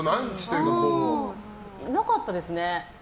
いなかったですね。